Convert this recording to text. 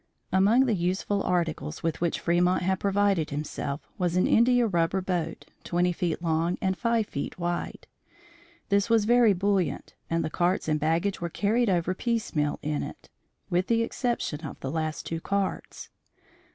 Among the useful articles with which Fremont had provided himself, was an India rubber boat, twenty feet long and five feet wide. This was very buoyant and the carts and baggage were carried over piecemeal in it, with the exception of the last two carts.